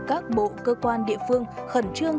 các bộ cơ quan địa phương khẩn trương